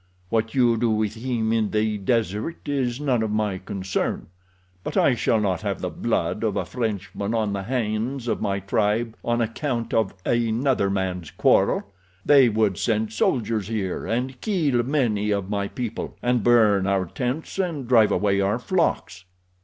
What you do with him in the desert is none of my concern, but I shall not have the blood of a Frenchman on the hands of my tribe on account of another man's quarrel—they would send soldiers here and kill many of my people, and burn our tents and drive away our flocks."